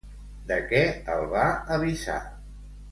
De què el va avisar?